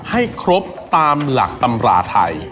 ให้ครบตามหลักตำราไทย